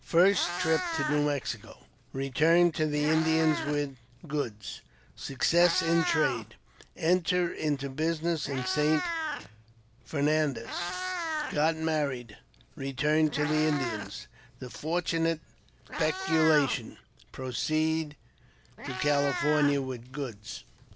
First Trip to New Mexico — Eeturn to the Indians with Goods — Success in Trade — Enter into Business in St. Fernandez — Get Married — Eeturn to the Indians — The fortunate Speculation — Proceed to Cali fornia with Goods.